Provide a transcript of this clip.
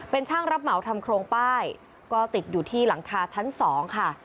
เป็นช่างรับเหมาทำโครงป้ายก็ติดอยู่ที่หลังคาชั้น๒ค่ะ